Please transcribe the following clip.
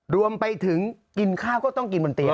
รวมไปถึงกินข้าวก็ต้องกินบนเตียง